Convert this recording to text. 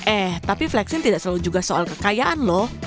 eh tapi flexing tidak selalu juga soal kekayaan loh